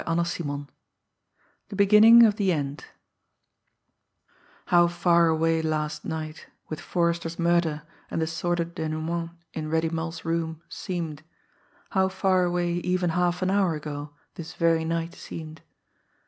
CHAPTER XIX THE BEGINNING OF THE END How far away last night, with Forrester's murder and the sordid denouement in Reddy Mull's room, seemed! How far away even half an hour ago this very night seemed!